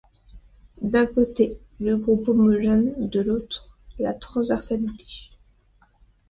D'un côté, le groupe homogène, de l'autre la transversalité.